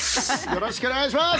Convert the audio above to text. よろしくお願いします。